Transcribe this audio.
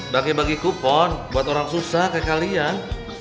bagi bagi kupon buat orang susah ke kalian